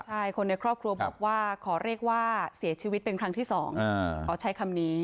ใช่คนในครอบครัวบอกว่าขอเรียกว่าเสียชีวิตเป็นครั้งที่๒ขอใช้คำนี้